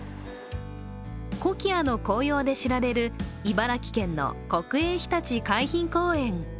コキアの紅葉で知られる茨城県の国営ひたち海浜公園。